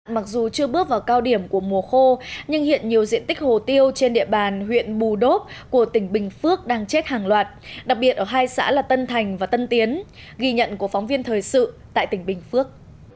mặc dù chưa bước vào cao điểm của mùa khô nhưng hiện nhiều diện tích hồ tiêu trên địa bàn huyện bù đốp của tỉnh bình phước đang chết hàng loạt đặc biệt ở hai xã là tân thành và tân tiến ghi nhận của phóng viên thời sự tại tỉnh bình phước